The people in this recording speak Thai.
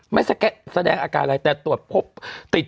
ไม่แสดงอาการอะไรแต่ตรวจพบติด